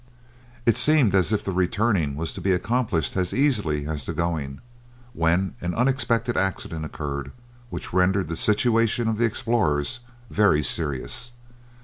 It seemed as if the returning was to be accomplished as easily as the going, when an unexpected accident occurred which rendered the situation of the explorers very serious.